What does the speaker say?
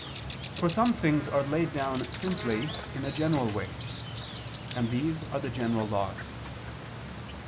For some things are laid down simply in a general way: and these are the general laws.